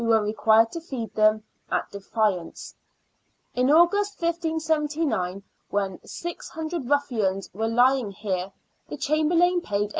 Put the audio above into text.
were required to feed them, at defiance. In August, 1579, when six hundred ruffians were lying here, the Chamberlain paid 8s.